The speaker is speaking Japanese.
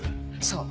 そう。